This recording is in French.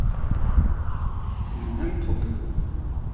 C’est le même propos.